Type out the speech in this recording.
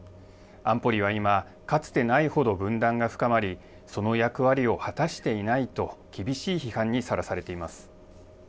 安保理は今、かつてないほど分断が深まり、その役割を果たしていないと厳しい批判にさらされています。